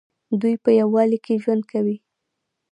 دوی په یووالي کې ژوند کوي.